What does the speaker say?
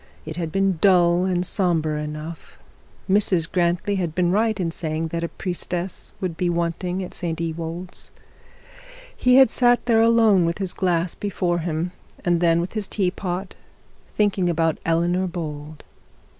It had been dull and sombre enough. Mrs Grantly had been right in saying that a priestess would be wanting at St Ewold's. He had sat there alone with his glass before him, and then with his teapot, thinking about Eleanor Bold.